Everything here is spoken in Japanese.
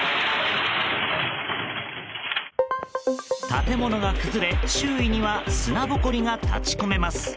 建物が崩れ、周囲には砂ぼこりが立ち込めます。